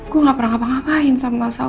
gue gak pernah ngapa ngapain sama mas sal